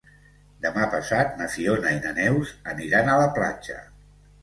Demà passat na Fiona i na Neus aniran a la platja.